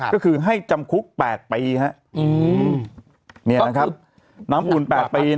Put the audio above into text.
ก็คือให้จำคุก๘ปีนะฮะนี่นะครับน้ำอุ่น๘ปีนะฮะ